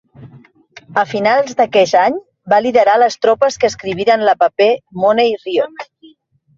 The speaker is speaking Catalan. A finals d'aqueix any, va liderar les tropes que escriviren la Paper Money Riot.